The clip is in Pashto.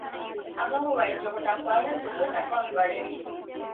هغه وویل چې غوطه خوړل د زړه ټکان لوړوي.